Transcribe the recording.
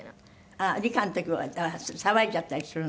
ああ理科の時は騒いじゃったりするの？